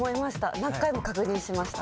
何回も確認しました。